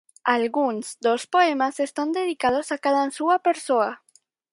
Algúns dos poemas están dedicados a cadansúa persoa.